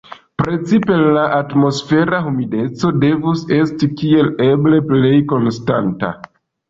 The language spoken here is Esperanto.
Precipe la atmosfera humideco devus esti kiel eble plej konstanta.